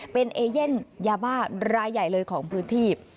เป็นเอเย่นยาบ้ารายใหญ่เลยของพื้นที่